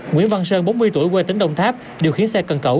nguyễn văn sơn bốn mươi tuổi quê tính đồng tháp điều khiển xe cần cẩu